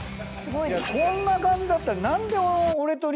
こんな感じだったら。